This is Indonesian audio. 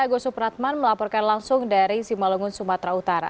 agus supratman melaporkan langsung dari simalungun sumatera utara